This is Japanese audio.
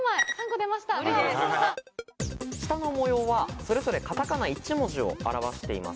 下の模様はそれぞれカタカナ１文字を表しています。